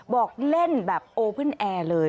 บอกเล่นแบบโอปน์แอร์เลย